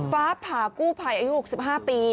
ฟ้าผ่ากู้ภัยอายุ๖๕ปี